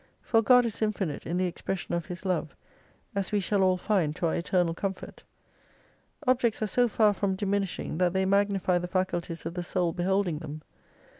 For God is infinite in the expression of His Love, as we shall all find to our eternal comfort. Objects are so far from diminishing, that they magnify the faculties of the soul beholding them.